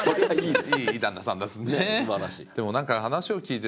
すばらしい。